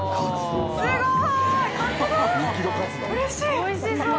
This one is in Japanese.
Д蕁おいしそう。